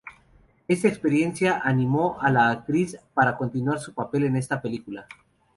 Esta experiencia animó a la actriz para continuar su papel en esta película.